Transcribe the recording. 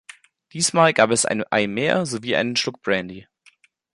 Diesmal gab es ein Ei mehr sowie einen Schluck Brandy.